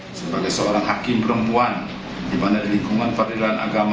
lagi semoga ini sebagai seorang hakim perempuan di lingkungan peradilan agama